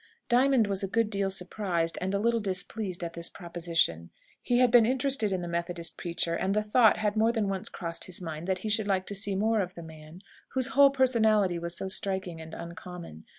Diamond was a good deal surprised, and a little displeased, at this proposition. He had been interested in the Methodist preacher, and the thought had more than once crossed his mind that he should like to see more of the man, whose whole personality was so striking and uncommon.